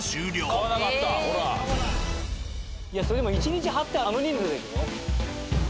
それでも一日張ってあの人数でしょ。